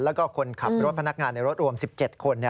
แล้วก็คนขับรถพนักงานในรถรวม๑๗คน